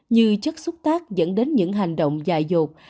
như chất xúc tác dẫn đến những hành động dài dột